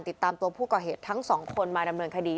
ติดตามตัวผู้ก่อเหตุทั้งสองคนมาดำเนินคดี